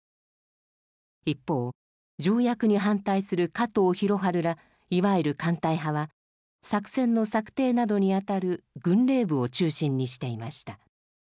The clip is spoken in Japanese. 一方条約に反対する加藤寛治らいわゆる艦隊派は作戦の策定などにあたる軍令部を中心にしていました。